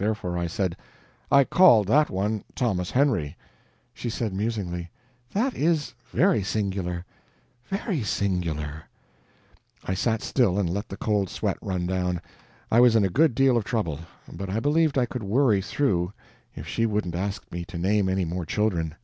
Therefore I said: "I called that one Thomas Henry." She said, musingly: "That is very singular ... very singular." I sat still and let the cold sweat run down. I was in a good deal of trouble, but I believed I could worry through if she wouldn't ask me to name any more children.